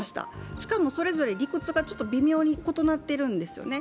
しかもそれぞれ理屈が微妙に異なっているんですよね。